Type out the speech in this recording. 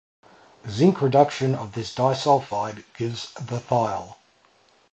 Zinc reduction of this disulfide gives the thiol.